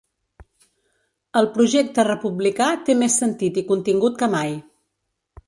El projecte republicà té més sentit i contingut que mai.